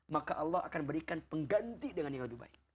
maka allah akan berikan pengganti dengan yang lebih baik